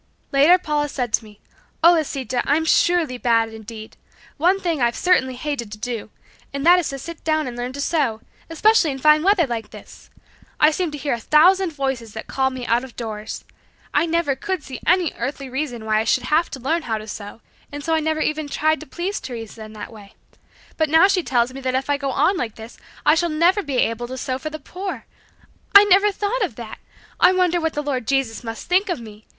Later Paula said to me, "Oh, Lisita, I'm surely bad indeed. One thing I've certainly hated to do, and that is to sit down and learn to sew, especially in fine weather like this. I seem to hear a thousand voices that call me out of doors. I never could see any earthly reason why I should have to learn how to sew, and so I never even tried to please Teresa in that way. But now she tells me that if I go on like this I shall never be able to sew for the poor. I never thought of that! I wonder what the Lord Jesus must think of me.